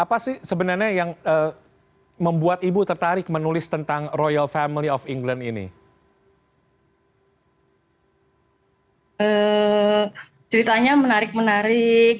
apa sih sebenarnya yang membuat ibu tertarik menulis tentang royal family of england ini